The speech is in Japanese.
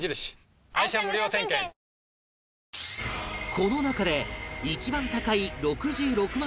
この中で一番高い６６万